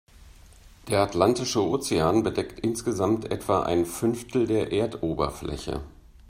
Der Atlantische Ozean bedeckt insgesamt etwa ein Fünftel der Erdoberfläche.